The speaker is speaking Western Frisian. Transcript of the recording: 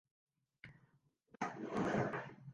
De man is freedtejûn troch de famylje as fermist opjûn.